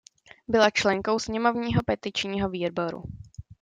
Byla členkou sněmovního petičního výboru.